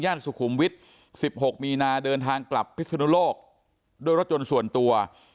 สุขุมวิทย์๑๖มีนาเดินทางกลับพิศนุโลกด้วยรถยนต์ส่วนตัว